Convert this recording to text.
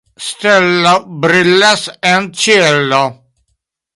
Stelo brilas en ĉielo.